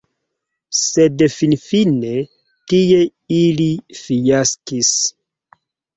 Sed finfine tie ili fiaskis.